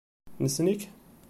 Nessen-ik?